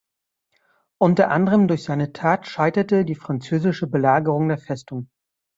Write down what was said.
Unter anderem durch seine Tat scheiterte die französische Belagerung der Festung.